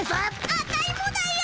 アタイもだよ。